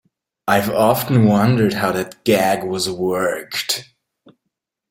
I've often wondered how that gag was worked.